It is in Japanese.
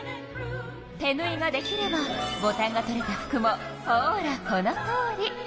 手ぬいができればボタンが取れた服もほらこのとおり！